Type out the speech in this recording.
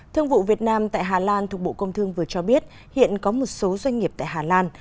thương vụ việt nam tại hà lan thuộc bộ công thương vừa cho biết hiện có một số doanh nghiệp tại hà lan